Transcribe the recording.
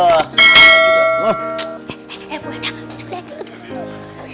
sudah sudah sudah sudah